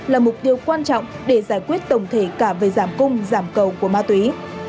là mục tiêu quan trọng để giải quyết tổng thể cả về giảm cung giảm cầu của ma túy